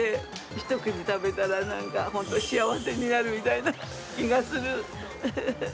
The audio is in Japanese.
一口食べたらなんか幸せになるみたいな気がする。